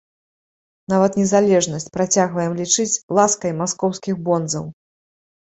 Нават незалежнасць працягваем лічыць ласкай маскоўскіх бонзаў.